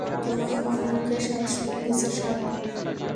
তোমার পান মুখে সাত শোনা গেছে ষাট।